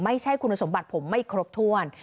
ไม่ใช่คุณสมบัติผมไม่ครบถ้วน